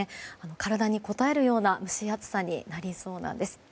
体にこたえるような蒸し暑さになりそうです。